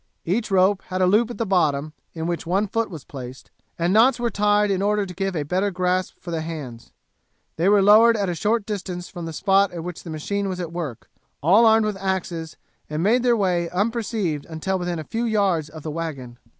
Each rope had a loop at the bottom in which one foot was placed, and knots were tied in order to give a better grasp for the hands. They were lowered at a short distance from the spot at which the machine was at work; all were armed with axes, and they made their way unperceived until within a few yards of the wagon.